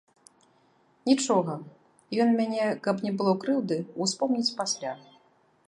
Нічога, ён мяне, каб не было крыўды, успомніць пасля.